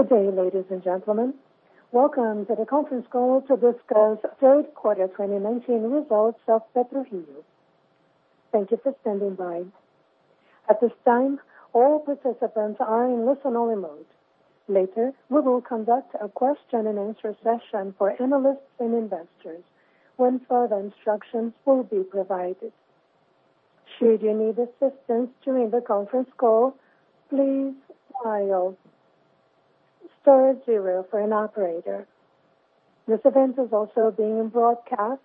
Good day, ladies and gentlemen. Welcome to the conference call to discuss third quarter 2019 results of PetroRio. Thank you for standing by. At this time, all participants are in listen only mode. Later, we will conduct a question and answer session for analysts and investors when further instructions will be provided. Should you need assistance during the conference call, please dial star zero for an operator. This event is also being broadcast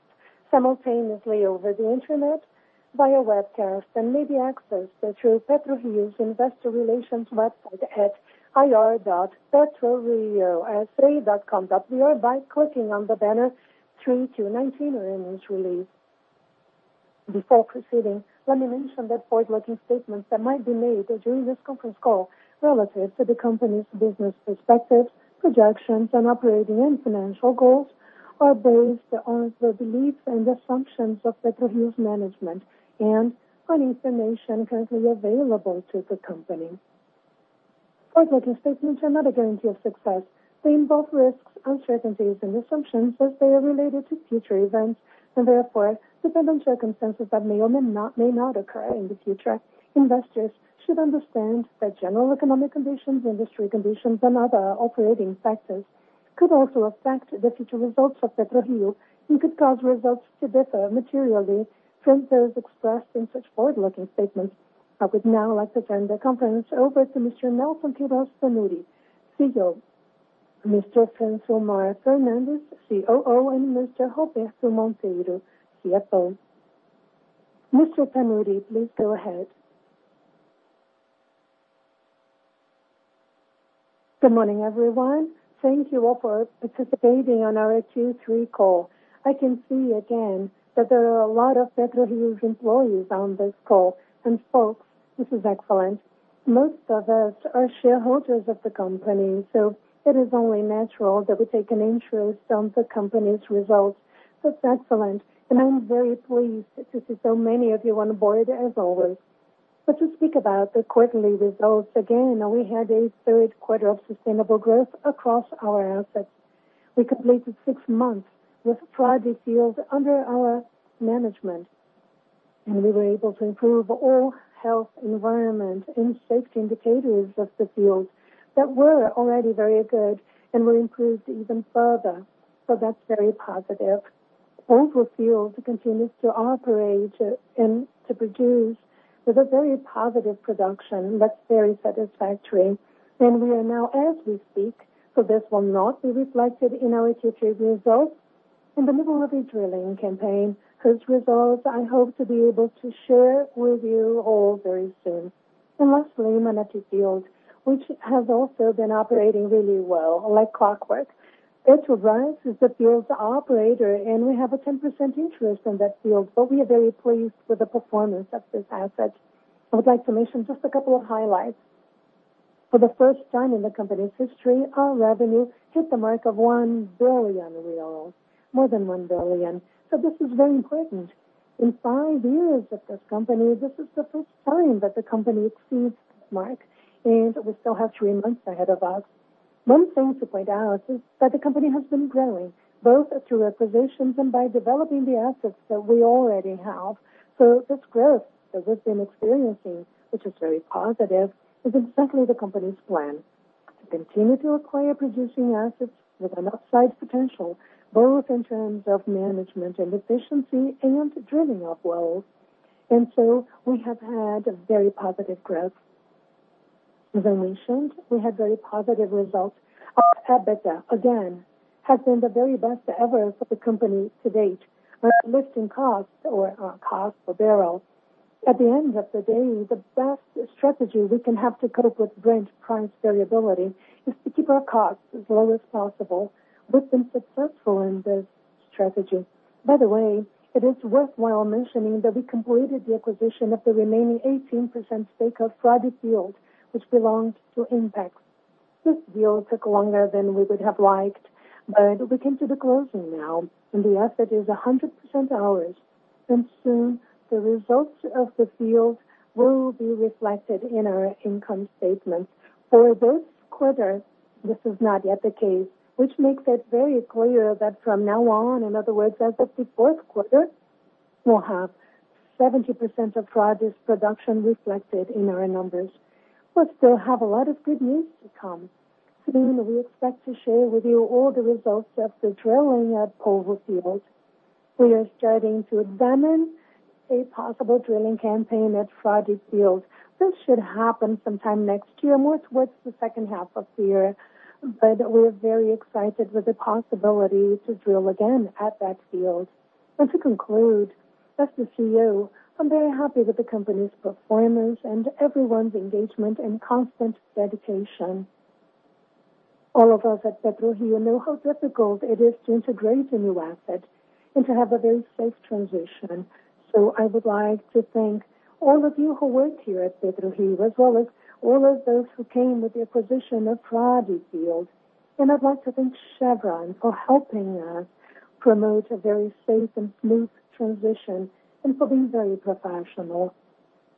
simultaneously over the Internet via webcast and may be accessed through PetroRio's investor relations website at ir.petroriosa.com.br by clicking on the banner 3Q19 Earnings Release. Before proceeding, let me mention that forward-looking statements that might be made during this conference call relative to the company's business prospects, projections, and operating and financial goals are based on the beliefs and assumptions of PetroRio's management and on information currently available to the company. Forward-looking statements are not a guarantee of success. They involve risks, uncertainties, and assumptions as they are related to future events, and therefore depend on circumstances that may or may not occur in the future. Investors should understand that general economic conditions, industry conditions, and other operating factors could also affect the future results of Prio and could cause results to differ materially from those expressed in such forward-looking statements. I would now like to turn the conference over to Mr. Nelson Queiroz Tanure, CEO, Mr. Francilmar Fernandes, COO, and Mr. Roberto Monteiro, CFO. Mr. Tanure, please go ahead. Good morning, everyone. Thank you all for participating in our Q3 call. I can see again that there are a lot of PetroRio's employees on this call. Folks, this is excellent. Most of us are shareholders of the company, it is only natural that we take an interest in the company's results. That's excellent, and I'm very pleased to see so many of you on board, as always. To speak about the quarterly results, again, we had a third quarter of sustainable growth across our assets. We completed six months with Frade field under our management, and we were able to improve all health, environment, and safety indicators of the field that were already very good and were improved even further. That's very positive. Polvo field continues to operate and to produce with a very positive production. That's very satisfactory. We are now, as we speak, so this will not be reflected in our Q3 results, in the middle of a drilling campaign whose results I hope to be able to share with you all very soon. Lastly, Manati field, which has also been operating really well, like clockwork. It runs as the field's operator, and we have a 10% interest in that field, but we are very pleased with the performance of this asset. I would like to mention just a couple of highlights. For the first time in the company's history, our revenue hit the mark of 1 billion real. More than 1 billion. This is very important. In five years of this company, this is the first time that the company exceeds this mark, and we still have three months ahead of us. One thing to point out is that the company has been growing, both through acquisitions and by developing the assets that we already have. This growth that we've been experiencing, which is very positive, is exactly the company's plan. To continue to acquire producing assets with an upside potential, both in terms of management and efficiency and drilling of wells. We have had very positive growth. As I mentioned, we had very positive results. Our EBITDA, again, has been the very best ever for the company to date. By lifting costs or cost per barrel. At the end of the day, the best strategy we can have to cope with Brent price variability is to keep our costs as low as possible. We've been successful in this strategy. By the way, it is worthwhile mentioning that we completed the acquisition of the remaining 18% stake of Frade field, which belonged to Impact. This deal took longer than we would have liked, but we came to the closing now, and the asset is 100% ours. Soon, the results of the field will be reflected in our income statement. For this quarter, this is not yet the case, which makes it very clear that from now on, in other words, as of the fourth quarter, we'll have 70% of Frade's production reflected in our numbers. We still have a lot of good news to come. Soon, we expect to share with you all the results of the drilling at Polvo field. We are starting to examine a possible drilling campaign at Frade field. This should happen sometime next year, more towards the second half of the year. We're very excited with the possibility to drill again at that field. To conclude, as the CEO, I'm very happy with the company's performance and everyone's engagement and constant dedication. All of us at PetroRio know how difficult it is to integrate a new asset and to have a very safe transition. I would like to thank all of you who work here at PetroRio, as well as all of those who came with the acquisition of Frade field. I'd like to thank Chevron for helping us promote a very safe and smooth transition and for being very professional.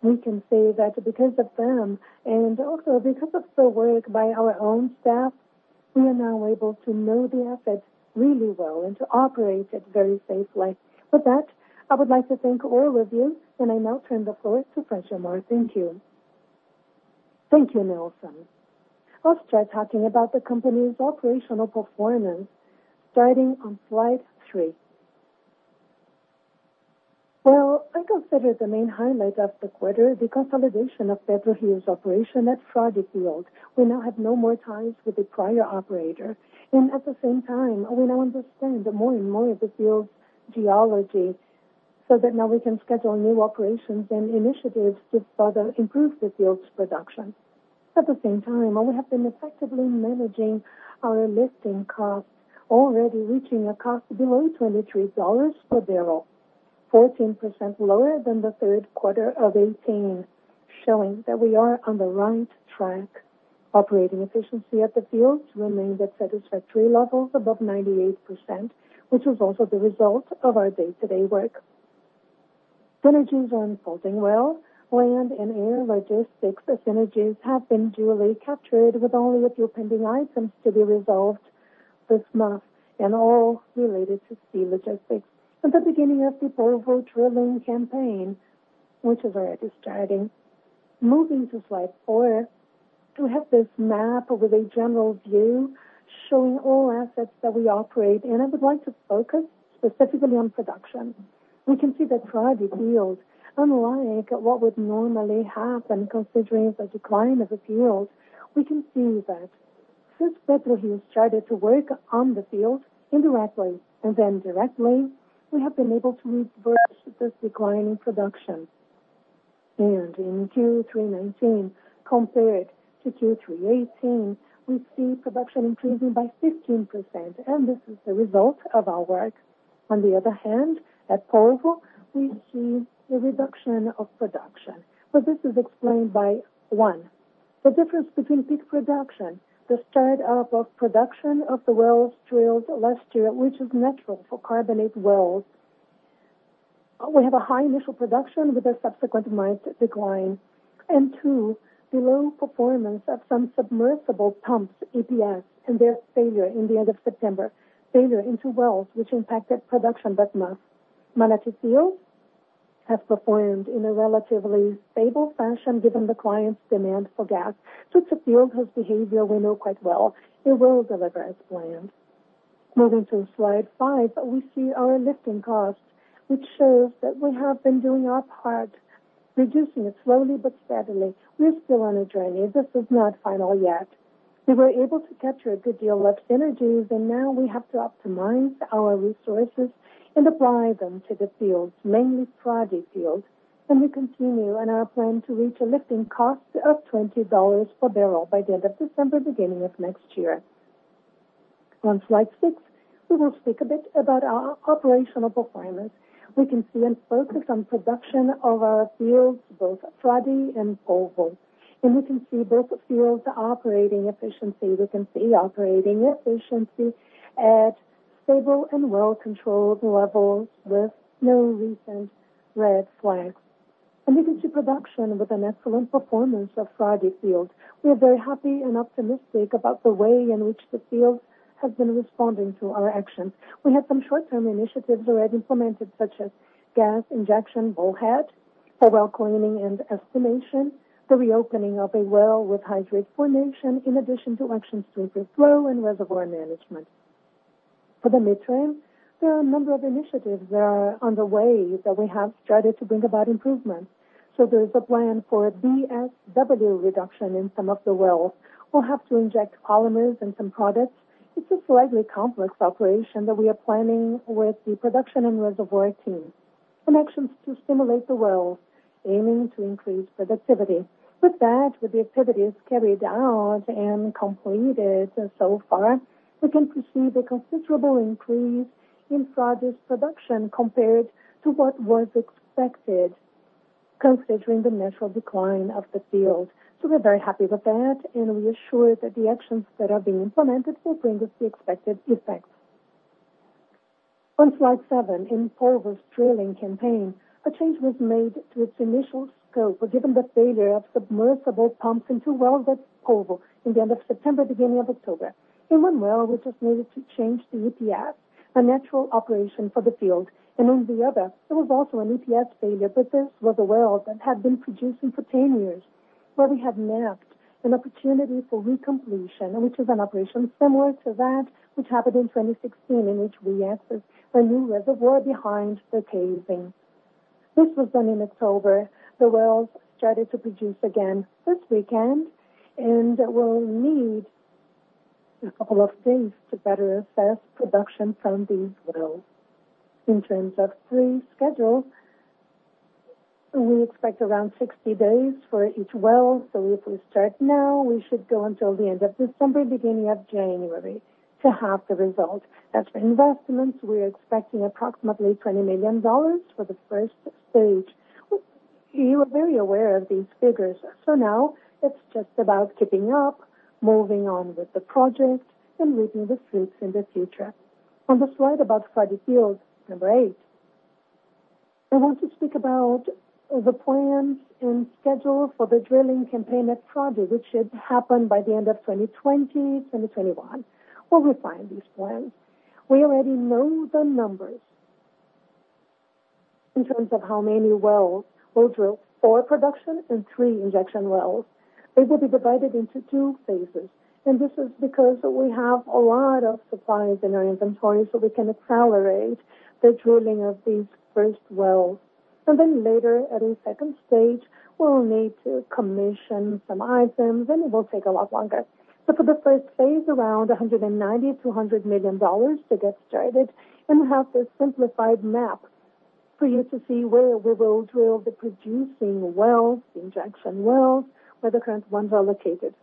We can say that because of them, and also because of the work by our own staff, we are now able to know the assets really well and to operate it very safely. I would like to thank all of you, and I now turn the floor to Francilmar. Thank you. Thank you, Nelson. I'll start talking about the company's operational performance, starting on slide three. Well, I consider the main highlight of the quarter the consolidation of PetroRio's operation at Frade field. We now have no more ties with the prior operator, and at the same time, we now understand more and more of the field's geology, so that now we can schedule new operations and initiatives to further improve the field's production. At the same time, we have been effectively managing our lifting costs, already reaching a cost below $23 per barrel, 14% lower than 3Q18, showing that we are on the right track. Operating efficiency at the fields remained at satisfactory levels above 98%, which was also the result of our day-to-day work. Synergies are unfolding well. Land and air logistics synergies have been duly captured with only a few pending items to be resolved this month, and all related to sea logistics. At the beginning of the Polvo drilling campaign, which is already starting. Moving to slide four, we have this map with a general view showing all assets that we operate in. I would like to focus specifically on production. We can see that Frade field, unlike what would normally happen considering the decline of the field, we can see that since PetroRio started to work on the field indirectly and then directly, we have been able to reverse this decline in production. In Q3 '19 compared to Q3 '18, we see production increasing by 15%, and this is the result of our work. On the other hand, at Polvo, we see a reduction of production. This is explained by, one, the difference between peak production, the start up of production of the wells drilled last year, which is natural for carbonate wells. Two, the low performance of some submersible pumps, ESP, and their failure in the end of September. Failure in two wells, which impacted production that month. Manati field has performed in a relatively stable fashion given the client's demand for gas. It's a field whose behavior we know quite well. It will deliver as planned. Moving to slide five, we see our lifting costs, which shows that we have been doing our part, reducing it slowly but steadily. We're still on a journey. This is not final yet. We were able to capture a good deal of synergies. Now we have to optimize our resources and apply them to the fields, mainly Frade field. We continue in our plan to reach a lifting cost of $20 per barrel by the end of December, beginning of next year. On slide six, we will speak a bit about our operational performance. We can see and focus on production of our fields, both Frade and Polvo. We can see both fields' operating efficiency. We can see operating efficiency at stable and well-controlled levels with no recent red flags. We can see production with an excellent performance of Frade field. We are very happy and optimistic about the way in which the field has been responding to our actions. We have some short-term initiatives already implemented, such as gas injection bulkhead for well cleaning and stimulation, the reopening of a well with hydrate formation, in addition to actions to improve flow and reservoir management. For the midterm, there are a number of initiatives that are on the way that we have started to bring about improvements. There is a plan for a BSW reduction in some of the wells. We'll have to inject polymers and some products. It's a slightly complex operation that we are planning with the production and reservoir team, and actions to stimulate the wells, aiming to increase productivity. With that, with the activities carried out and completed so far, we can foresee the considerable increase in Frade's production compared to what was expected considering the natural decline of the field. We're very happy with that, and we are sure that the actions that are being implemented will bring us the expected effects. On slide 7, in Polvo's drilling campaign, a change was made to its initial scope given the failure of submersible pumps in 2 wells at Polvo in the end of September, beginning of October. In 1 well, we just needed to change the ESP, a natural operation for the field, and in the other, there was also an ESP failure, but this was a well that had been producing for 10 years where we had mapped an opportunity for recompletion, which is an operation similar to that which happened in 2016, in which we accessed a new reservoir behind the casing. This was done in October. The wells started to produce again this weekend, and we'll need a couple of days to better assess production from these wells. In terms of the schedule, we expect around 60 days for each well. If we start now, we should go until the end of December, beginning of January, to have the result. As for investments, we are expecting approximately BRL 20 million for the stage 1. You are very aware of these figures. Now it's just about keeping up, moving on with the project, and reaping the fruits in the future. On the slide about Frade field, number eight, I want to speak about the plans and schedule for the drilling campaign at Frade, which should happen by the end of 2020, 2021. We'll refine these plans. We already know the numbers in terms of how many wells we'll drill for production and three injection wells. They will be divided into two phases. This is because we have a lot of supplies in our inventory, we can accelerate the drilling of these first wells. Later at a second stage, we will need to commission some items, it will take a lot longer. For the first phase, around $190 million-$200 million to get started. We have this simplified map for you to see where we will drill the producing wells, the injection wells, where the current ones are located.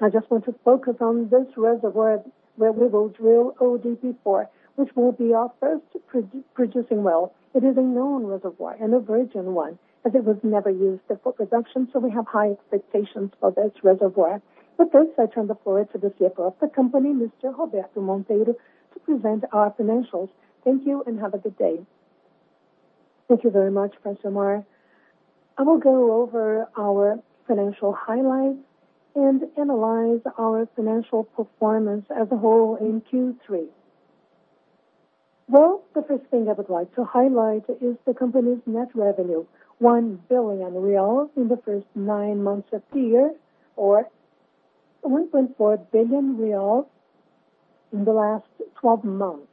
I just want to focus on this reservoir where we will drill ODP-4, which will be our first producing well. It is a known reservoir and a virgin one, as it was never used for production. We have high expectations for this reservoir. With this, I turn the floor to the CFO of the company, Mr. Roberto Monteiro, to present our financials. Thank you, and have a good day. Thank you very much, Francilmar Fernandes. I will go over our financial highlights and analyze our financial performance as a whole in Q3. The first thing I would like to highlight is the company's net revenue, 1 billion reais in the first nine months of the year, or 1.4 billion reais in the last 12 months.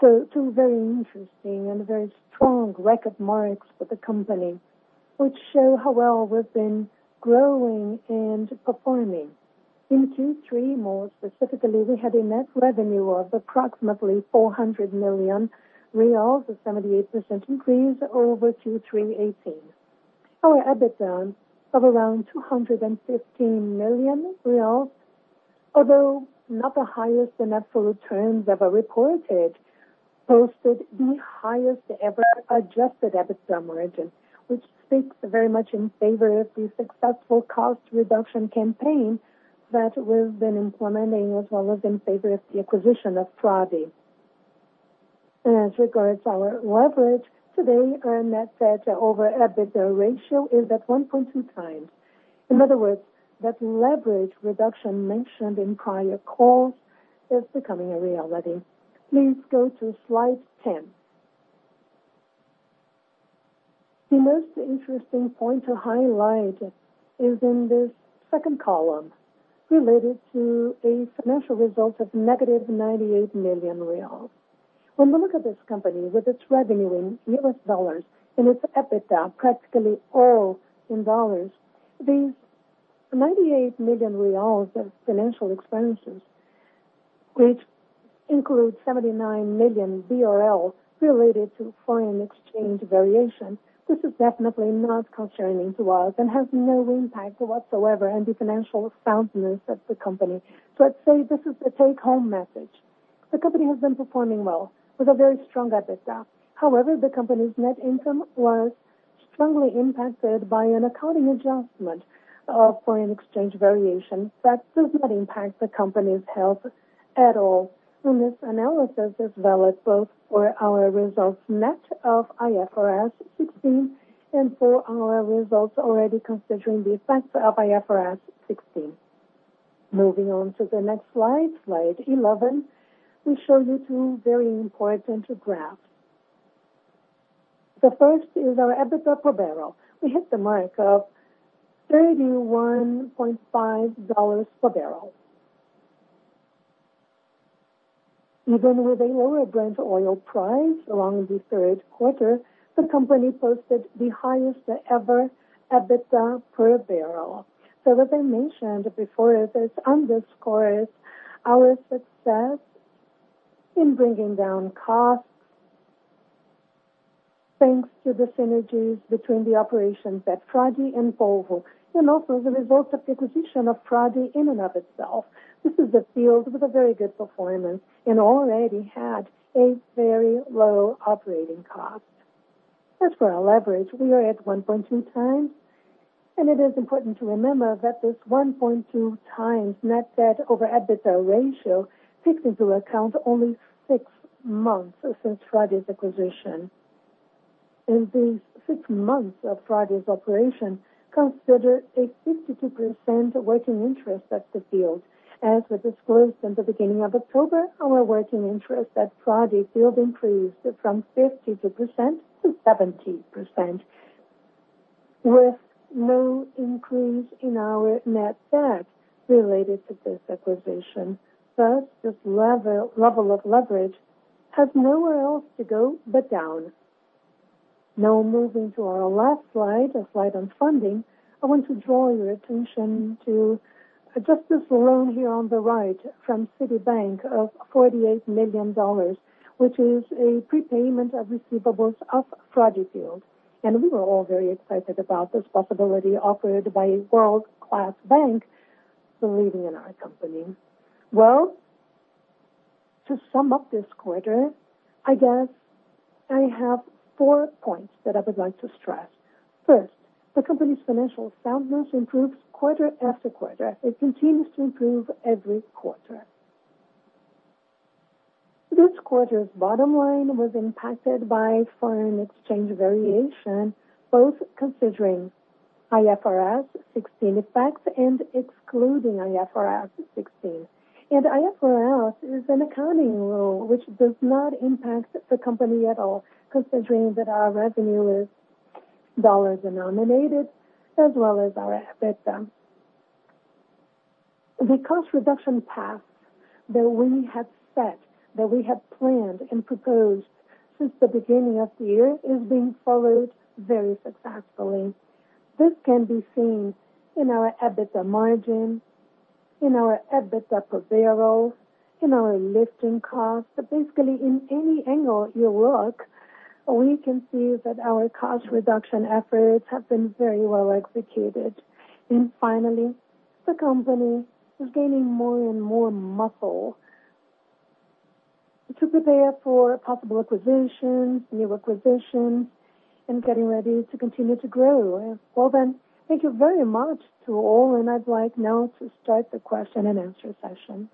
Two very interesting and very strong record marks for the company, which show how well we've been growing and performing. In Q3, more specifically, we had a net revenue of approximately BRL 400 million, a 78% increase over Q3 '18. Our EBITDA of around 215 million real, although not the highest in absolute terms ever reported, posted the highest ever adjusted EBITDA margin. Which speaks very much in favor of the successful cost reduction campaign that we've been implementing, as well as in favor of the acquisition of Frade. As regards our leverage today, our net debt over EBITDA ratio is at 1.2 times. In other words, that leverage reduction mentioned in prior calls is becoming a reality. Please go to slide ten. The most interesting point to highlight is in this second column related to a financial result of negative 98 million real. When we look at this company with its revenue in US dollars and its EBITDA practically all in dollars, these 98 million reais of financial expenses, which include 79 million BRL related to foreign exchange variation. This is definitely not concerning to us and has no impact whatsoever on the financial soundness of the company. I'd say this is the take-home message. The company has been performing well with a very strong EBITDA. The company's net income was strongly impacted by an accounting adjustment of foreign exchange variation that does not impact the company's health at all. This analysis is valid both for our results net of IFRS 16 and for our results already considering the effects of IFRS 16. Moving on to the next slide 11, we show you two very important graphs. The first is our EBITDA per barrel. We hit the mark of $31.5 per barrel. Even with a lower Brent oil price along the third quarter, the company posted the highest ever EBITDA per barrel. As I mentioned before, this underscores our success in bringing down costs, thanks to the synergies between the operations at Frade and Polvo, and also the result of the acquisition of Frade in and of itself. This is a field with a very good performance and already had a very low operating cost. As for our leverage, we are at 1.2 times, and it is important to remember that this 1.2 times net debt over EBITDA ratio takes into account only six months since Frade's acquisition. In these six months of Frade's operation, consider a 52% working interest at the field. As we disclosed at the beginning of October, our working interest at Frade field increased from 52% to 70%, with no increase in our net debt related to this acquisition. Thus, this level of leverage has nowhere else to go but down. Moving to our last slide, a slide on funding, I want to draw your attention to just this loan here on the right from Citibank of BRL 48 million, which is a prepayment of receivables of Frade field. We were all very excited about this possibility offered by a world-class bank believing in our company. Well, to sum up this quarter, I guess I have four points that I would like to stress. First, the company's financial soundness improves quarter after quarter. It continues to improve every quarter. This quarter's bottom line was impacted by foreign exchange variation, both considering IFRS 16 effects and excluding IFRS 16. IFRS is an accounting rule which does not impact the company at all, considering that our revenue is dollar-denominated as well as our EBITDA. The cost reduction path that we have set, that we have planned and proposed since the beginning of the year, is being followed very successfully. This can be seen in our EBITDA margin, in our EBITDA per barrel, in our lifting cost. Basically, in any angle you look, we can see that our cost reduction efforts have been very well executed. Finally, the company is gaining more and more muscle to prepare for possible acquisitions, new acquisitions, and getting ready to continue to grow. Thank you very much to all. I'd like now to start the question and answer session.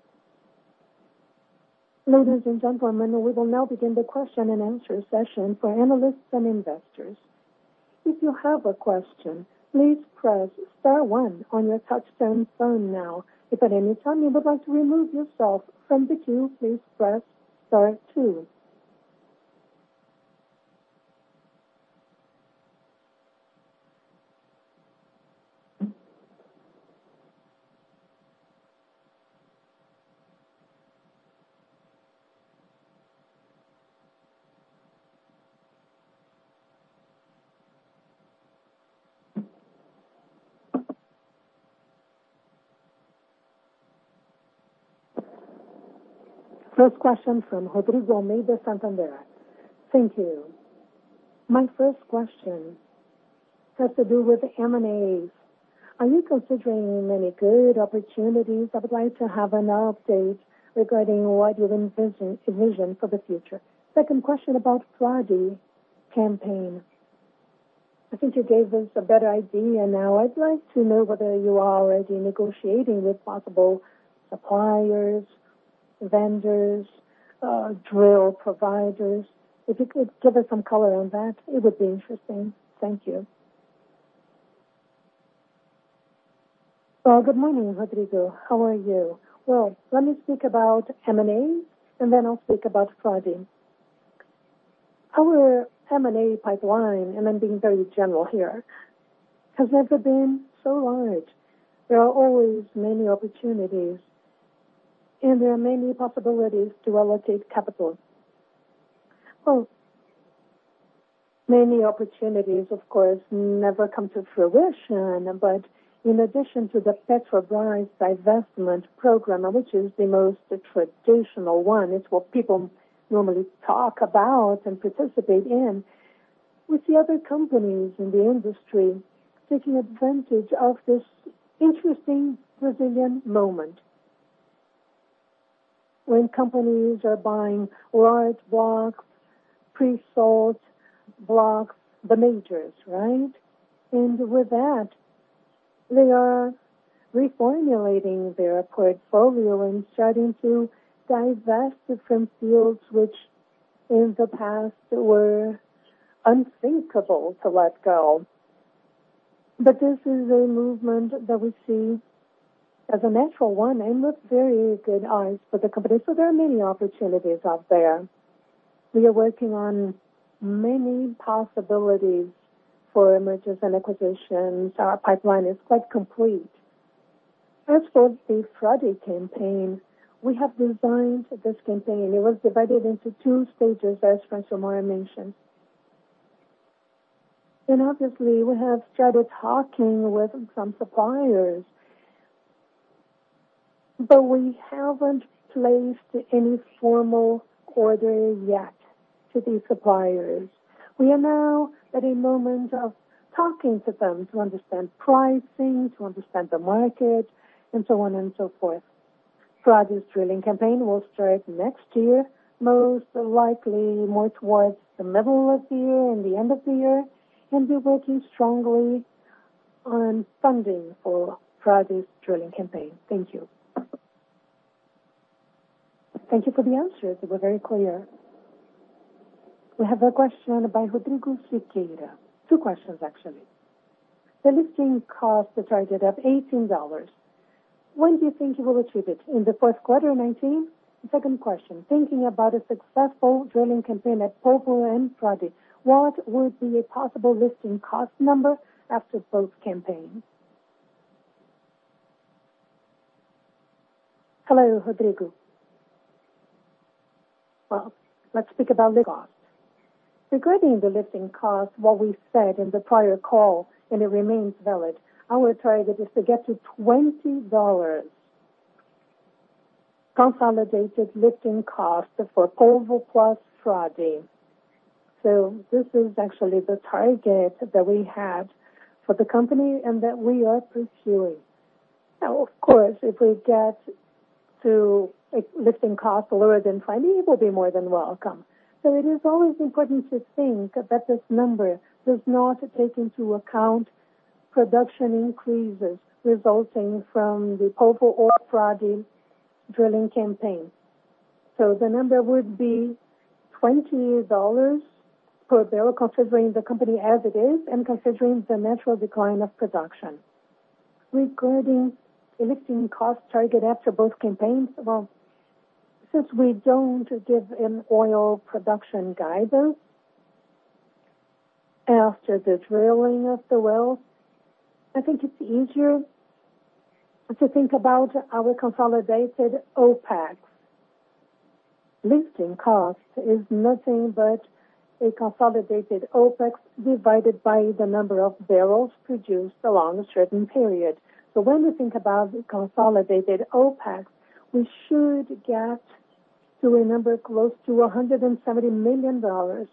Ladies and gentlemen, we will now begin the question and answer session for analysts and investors. If you have a question, please press star one on your touchtone phone now. If at any time you would like to remove yourself from the queue, please press star two. First question from Rodrigo Almeida, Santander. Thank you. My first question has to do with M&As. Are you considering any good opportunities? I would like to have an update regarding what you envision for the future. Second question about Frade campaign. I think you gave us a better idea now. I'd like to know whether you are already negotiating with possible suppliers, vendors, drill providers. If you could give us some color on that, it would be interesting. Thank you. Well, good morning, Rodrigo. How are you? Let me speak about M&A, then I'll speak about Frade. Our M&A pipeline, I'm being very general here, has never been so large. There are always many opportunities, there are many possibilities to allocate capital. Well, many opportunities, of course, never come to fruition. In addition to the Petrobras divestment program, which is the most traditional one, it's what people normally talk about and participate in, with the other companies in the industry taking advantage of this interesting Brazilian moment. When companies are buying large blocks, pre-sold blocks, the majors. With that, they are reformulating their portfolio and starting to divest from fields, which in the past were unthinkable to let go. This is a movement that we see as a natural one and with very good eyes for the company. There are many opportunities out there. We are working on many possibilities for mergers and acquisitions. Our pipeline is quite complete. As for the Frade campaign, we have designed this campaign. It was divided into 2 stages, as Francilmar Fernandes mentioned. Obviously, we have started talking with some suppliers, but we haven't placed any formal order yet to these suppliers. We are now at a moment of talking to them to understand pricing, to understand the market, and so on and so forth. Frade's drilling campaign will start next year, most likely more towards the middle of the year and the end of the year. We're working strongly on funding for Frade's drilling campaign. Thank you. Thank you for the answers. They were very clear. We have a question by Rodrigo Siqueira. Two questions, actually. The lifting cost targeted at $18. When do you think you will achieve it? In the first quarter of 2019? The second question, thinking about a successful drilling campaign at Polvo and Frade, what would be a possible lifting cost number after both campaigns? Hello, Rodrigo. Well, let's speak about lift cost. Regarding the lifting cost, what we said in the prior call, and it remains valid, our target is to get to $20 consolidated lifting cost for Polvo plus Frade. This is actually the target that we had for the company and that we are pursuing. Of course, if we get to lifting costs lower than finding, it will be more than welcome. It is always important to think that this number does not take into account production increases resulting from the Polvo or Frade drilling campaign. The number would be $20 per barrel, considering the company as it is and considering the natural decline of production. Regarding lifting cost target after both campaigns, well, since we don't give an oil production guidance after the drilling of the wells, I think it's easier to think about our consolidated OpEx. Lifting cost is nothing but a consolidated OpEx divided by the number of barrels produced along a certain period. When we think about the consolidated OpEx, we should get to a number close to $170 million, or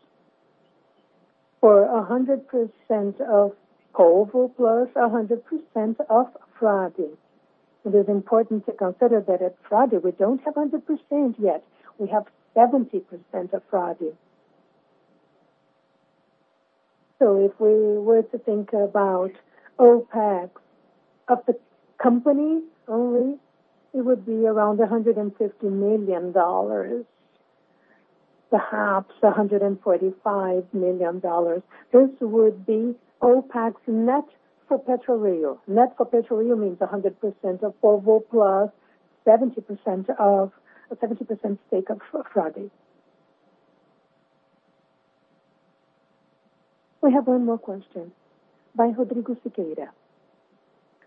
100% of Polvo plus 100% of Frade. It is important to consider that at Frade, we don't have 100% yet. We have 70% of Frade. If we were to think about OpEx of the company only, it would be around $150 million, perhaps $145 million. This would be OpEx net for Prio. Net for Prio means 100% of Polvo plus a 70% stake of Frade. We have one more question by Rodrigo Siqueira.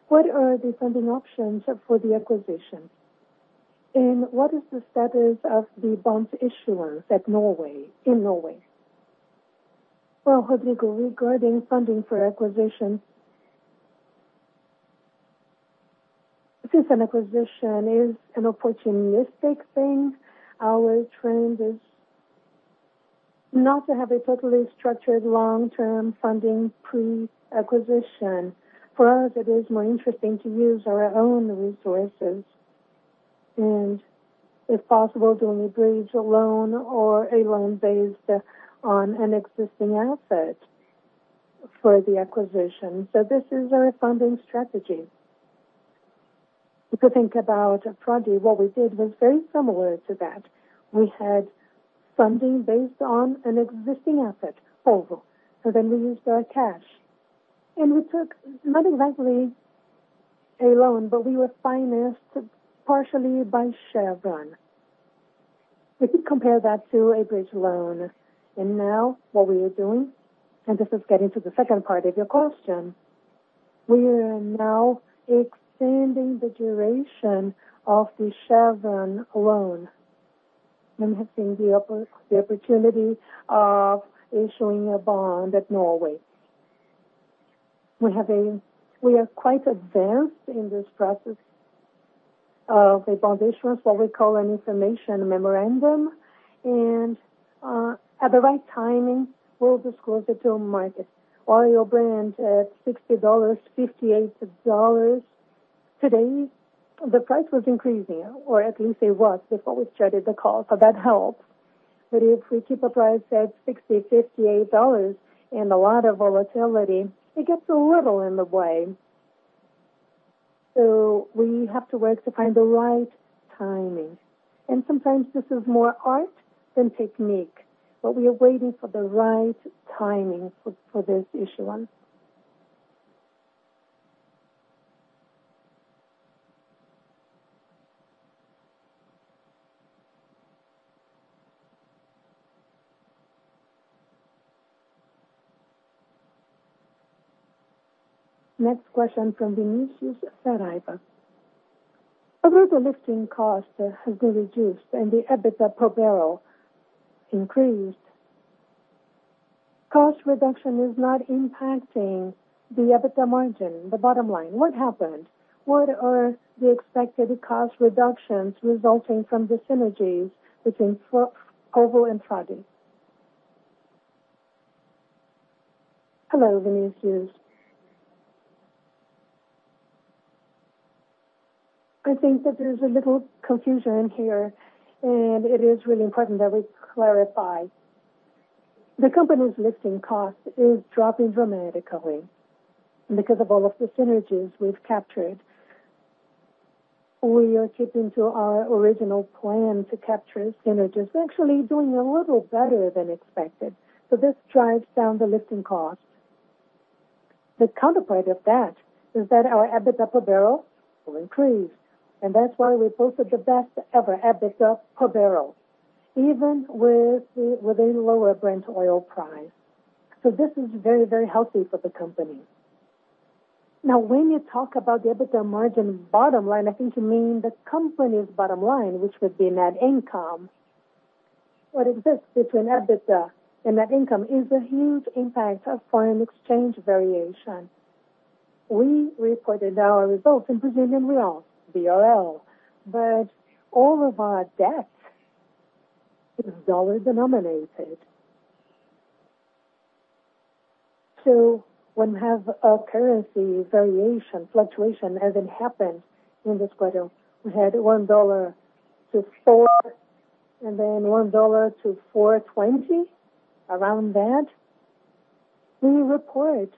What are the funding options for the acquisition? What is the status of the bonds issuance in Norway? Well, Rodrigo, regarding funding for acquisition, since an acquisition is an opportunistic thing, our trend is not to have a totally structured long-term funding pre-acquisition. For us, it is more interesting to use our own resources and, if possible, do a bridge loan or a loan based on an existing asset for the acquisition. This is our funding strategy. If you think about Frade, what we did was very similar to that. We had funding based on an existing asset, Polvo, and then we used our cash, and we took not exactly a loan, but we were financed partially by Chevron. We could compare that to a bridge loan. Now what we are doing, and this is getting to the second part of your question. We are now extending the duration of the Chevron loan and have seen the opportunity of issuing a bond at Norway. We are quite advanced in this process of a bond issuance, what we call an information memorandum, and at the right timing, we'll disclose it to the market. Brent at BRL 60, BRL 58. Today, the price was increasing, or at least it was before we started the call, so that helped. If we keep a price at BRL 60, BRL 58 and a lot of volatility, it gets a little in the way. We have to work to find the right timing. Sometimes this is more art than technique, but we are waiting for the right timing for this issuance. Next question from Vinicius Saraiva. Although the lifting cost has been reduced and the EBITDA per barrel increased, cost reduction is not impacting the EBITDA margin, the bottom line. What happened? What are the expected cost reductions resulting from the synergies between Polvo and Frade? Hello, Vinicius. I think that there's a little confusion here, and it is really important that we clarify. The company's lifting cost is dropping dramatically because of all of the synergies we've captured. We are keeping to our original plan to capture synergies, actually doing a little better than expected. This drives down the lifting cost. The counterpart of that is that our EBITDA per barrel will increase, and that's why we posted the best ever EBITDA per barrel, even with a lower Brent oil price. This is very healthy for the company. Now, when you talk about the EBITDA margin bottom line, I think you mean the company's bottom line, which would be net income. What exists between EBITDA and net income is a huge impact of foreign exchange variation. We reported our results in Brazilian real, BRL, but all of our debt is dollar-denominated. When we have a currency variation, fluctuation as it happened in this quarter, we had $1 to 4, and then $1 to 4.20, around that. We report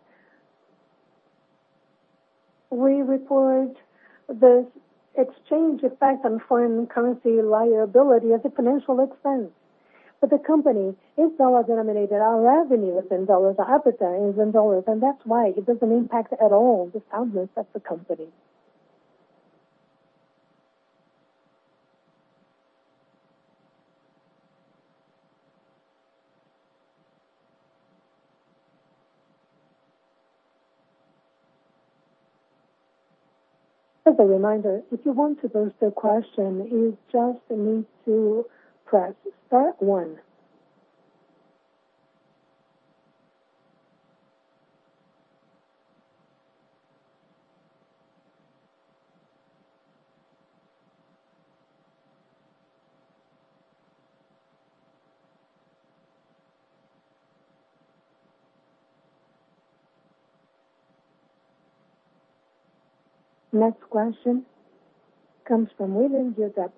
the exchange effect on foreign currency liability as a financial expense. The company is dollar-denominated. Our revenue is in U.S. dollars. Our EBITDA is in U.S. dollars, and that's why it doesn't impact at all the soundness of the company. As a reminder, if you want to pose a question, you just need to press star one. Next question comes from William Fitzpatrick.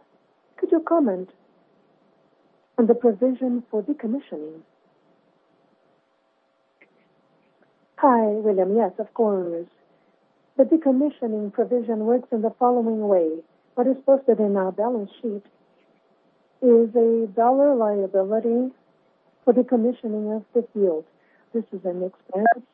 Could you comment on the provision for decommissioning? Hi, William. Yes, of course. The decommissioning provision works in the following way. What is posted in our balance sheet is a U.S. dollar liability for decommissioning of the field. This is an expense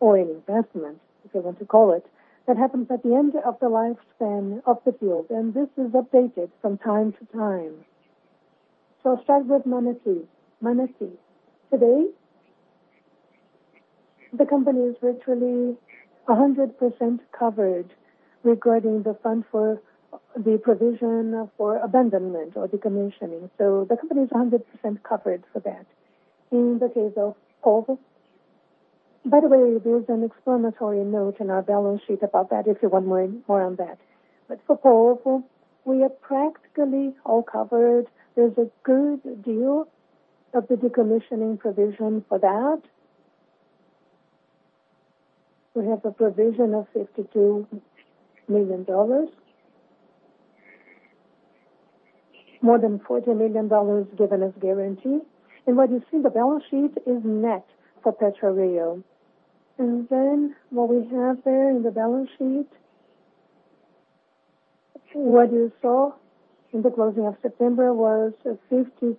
or an investment, if you want to call it, that happens at the end of the lifespan of the field, and this is updated from time to time. I'll start with Manati. Today, the company is virtually 100% covered regarding the fund for the provision for abandonment or decommissioning. The company is 100% covered for that. In the case of Polvo. By the way, there's an explanatory note in our balance sheet about that if you want more on that. For Polvo, we are practically all covered. There's a good deal of the decommissioning provision for that. We have a provision of $52 million. More than $40 million given as guarantee. What you see in the balance sheet is net for PetroRio. What we have there in the balance sheet, what you saw in the closing of September, was a 52%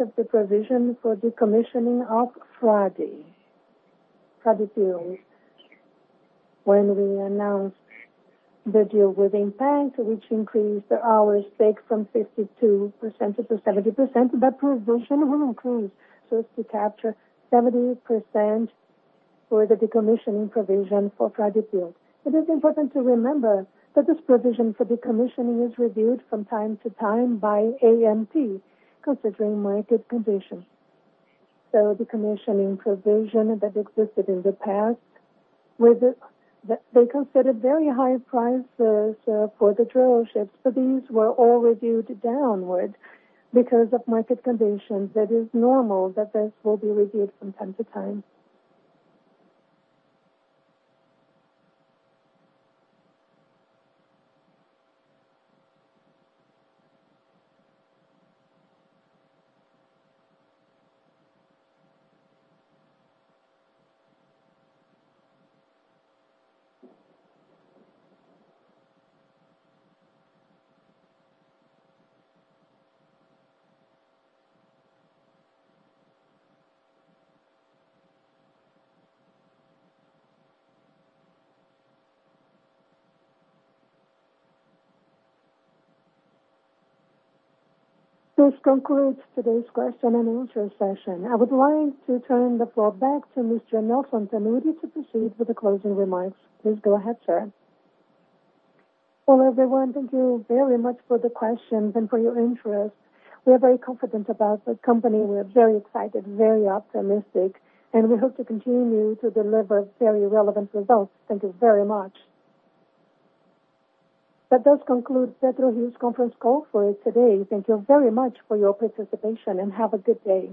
of the provision for decommissioning of Frade field. When we announced the deal with Impact, which increased our stake from 52% to 70%, that provision will increase so as to capture 70% for the decommissioning provision for Frade field. It is important to remember that this provision for decommissioning is reviewed from time to time by ANP, considering market conditions. Decommissioning provision that existed in the past, they considered very high prices for the drill ships, but these were all reviewed downward because of market conditions. That is normal, that this will be reviewed from time to time. This concludes today's question and answer session. I would like to turn the floor back to Mr. Nelson Tanure to proceed with the closing remarks. Please go ahead, sir. Well, everyone, thank you very much for the questions and for your interest. We are very confident about the company. We are very excited, very optimistic, and we hope to continue to deliver very relevant results. Thank you very much. That does conclude PetroRio's conference call for today. Thank you very much for your participation, and have a good day.